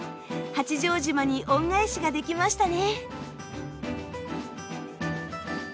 八丈島に恩返しができましたね。